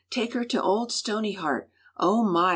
Take her to old Stoneyheart! Oh, my!